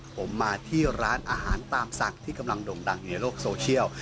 ผมมาที่ร้านอาหารตามสั่งที่กำลังด่งดังในโลกโซเชียล